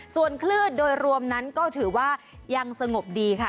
ส่วนคลื่นโดยรวมนั้นก็ถือว่ายังสงบดีค่ะ